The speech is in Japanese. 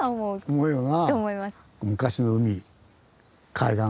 思うよな。